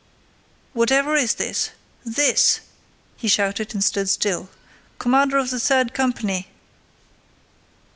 "Whatever is this? This!" he shouted and stood still. "Commander of the third company!"